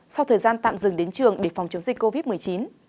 sau thời gian tạm dừng đến trường để phòng chống dịch covid một mươi chín